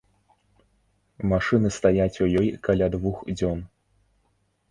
Машыны стаяць у ёй каля двух дзён.